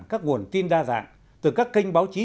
các nguồn tin đa dạng từ các kênh báo chí